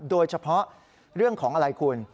โดยเฉพาะเรื่องของอะไรคุณ